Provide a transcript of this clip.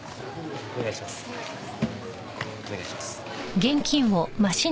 お願いします。